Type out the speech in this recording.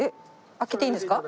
開けていいんですか？